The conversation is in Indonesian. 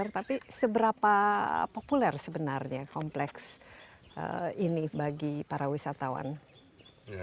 tapi seberapa populer sebenarnya kompleks ini bagi para wisatawan